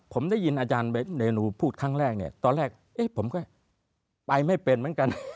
ผมได้ยินอาจารย์เรนูพูดครั้งแรกเนี่ยตอนแรกเอ๊ะผมก็ไปไม่เป็นเหมือนกัน